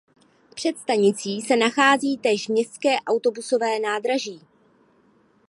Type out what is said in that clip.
Před stanicí se nachází též městské autobusové nádraží.